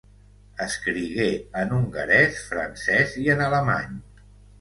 Escrigué en hongarès, francès i en alemany.